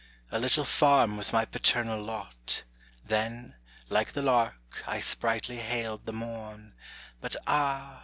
A little farm was my paternal lot, Then, like the lark, I sprightly hailed the morn; But ah!